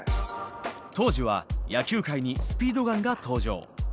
当時は野球界にスピードガンが登場。